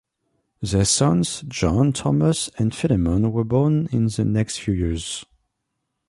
Their sons, John, Thomas, and Philemon were born in the next few years.